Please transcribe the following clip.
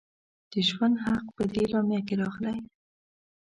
د ژوند حق په دې اعلامیه کې راغلی.